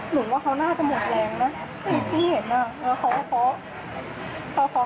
หนูว่าเขาน่าจะหมดแรงนะพี่เห็นอ่ะเขาเค้าเค้า